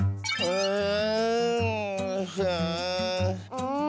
うん。